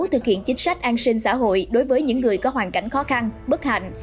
thực hiện chính sách an sinh xã hội đối với những người có hoàn cảnh khó khăn bất hạnh